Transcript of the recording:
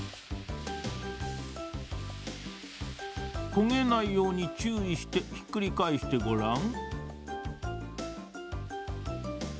こげないようにちゅういしてひっくりかえしてごらん。